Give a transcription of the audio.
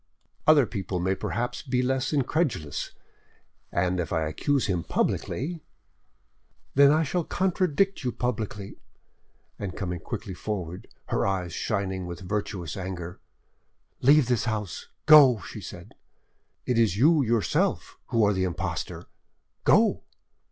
"Other people may perhaps be less incredulous, and if I accuse him publicly——" "Then I shall contradict you publicly!" And coming quickly forward, her eyes shining with virtuous anger— "Leave this house, go," she said; "it is you yourself who are the impostor—go!"